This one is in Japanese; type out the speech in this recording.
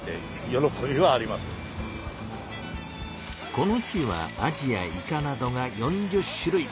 この日はアジやイカなどが４０種類。